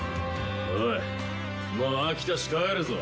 おいもう飽きたし帰るぞ。